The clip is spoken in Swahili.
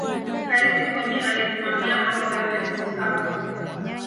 raisi mwinyi alisimamia mambo yote kwa usawa